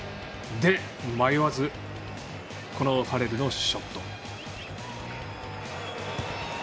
迷わずファレルのショット。